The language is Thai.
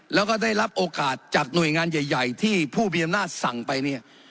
แล้วก็ได้รับโอกาสจากหน่วยงานใหญ่ที่ผู้มีอำนาจสั่งไปเนี่ย